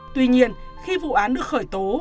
tuy nhiên khi vụ án được khởi tố